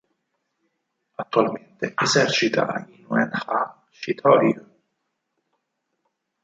Attualmente esercita Inoue-ha Shitō-ryū.